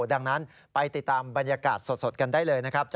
ดังนั้นไปติดตามบรรยากาศสดกันได้เลยนะครับ